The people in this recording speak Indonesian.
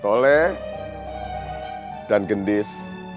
toleh dan gendis